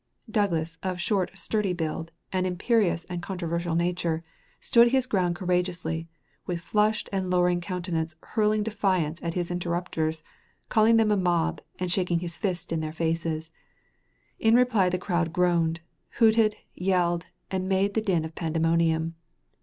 Douglas, of short, sturdy build and imperious and controversial nature, stood his ground courageously, with flushed and lowering countenance hurling defiance at his interrupters, calling them a mob, and shaking his fist in their faces; in reply the crowd groaned, hooted, yelled, and made the din of Pandemonium.